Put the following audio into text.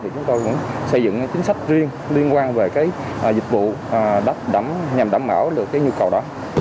thì chúng ta cũng xây dựng chính sách riêng liên quan về dịch vụ nhằm đảm bảo được nhu cầu đó